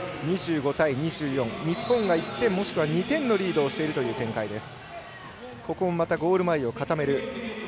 日本が１点もしくは２点のリードをしているという展開です。